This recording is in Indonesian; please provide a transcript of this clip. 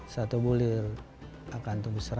satu bulir akan tubuh tujuh bulir